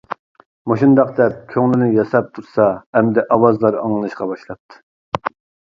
مۇشۇنداق دەپ كۆڭلىنى ياساپ تۇرسا، ئەمدى ئاۋازلار ئاڭلىنىشقا باشلاپتۇ.